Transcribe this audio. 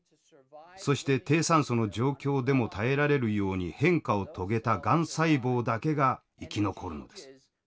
そして低酸素の状況でも耐えられるように変化を遂げたがん細胞だけが生き残るのです。